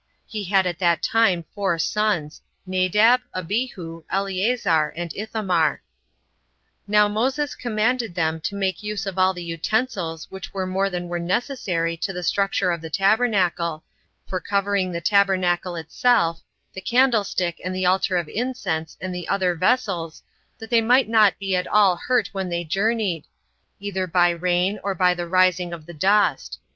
He had at that time four sons, Nadab, Abihu, Eleazar, and Ithamar.17 2. Now Moses commanded them to make use of all the utensils which were more than were necessary to the structure of the tabernacle, for covering the tabernacle itself, the candlestick, and altar of incense, and the other vessels, that they might not be at all hurt when they journeyed, either by the rain, or by the rising of the dust.